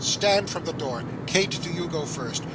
Stand from the door. Kate, do you go first.